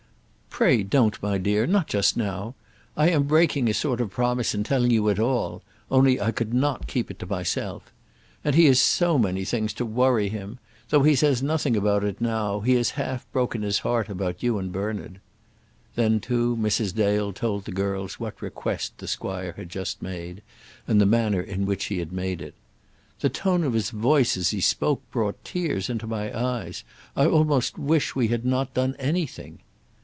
"Pray don't, my dear; not just now. I am breaking a sort of promise in telling you at all, only I could not keep it to myself. And he has so many things to worry him! Though he says nothing about it now, he has half broken his heart about you and Bernard." Then, too, Mrs. Dale told the girls what request the squire had just made, and the manner in which he had made it. "The tone of his voice as he spoke brought tears into my eyes. I almost wish we had not done anything."